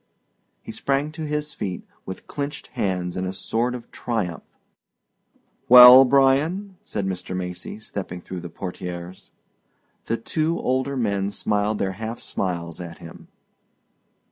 He sprang to his feet with clinched hands in a sort of triumph. "Well, Bryan," said Mr. Macy stepping through the portières. The two older men smiled their half smiles at him.